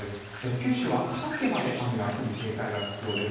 九州はあさってまで雨が降り警戒が必要です。